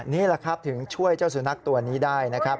นี่แหละครับถึงช่วยเจ้าสุนัขตัวนี้ได้นะครับ